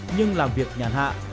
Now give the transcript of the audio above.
nhưng làm việc nhàn hạ